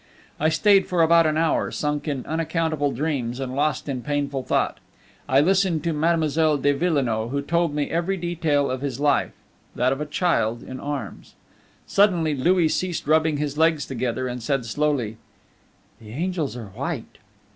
I stayed for about an hour, sunk in unaccountable dreams, and lost in painful thought. I listened to Mademoiselle de Villenoix, who told me every detail of this life that of a child in arms. Suddenly Louis ceased rubbing his legs together, and said slowly: "The angels are white."